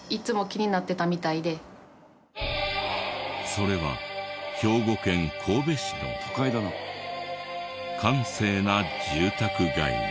それは兵庫県神戸市の閑静な住宅街に。